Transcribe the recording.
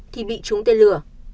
thì bị trúng tên lửa